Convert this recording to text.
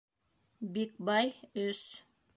Бикбай, З.